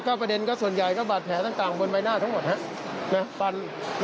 ประเด็นก็ส่วนใหญ่ก็บาดแผลต่างบนใบหน้าทั้งหมดฟัน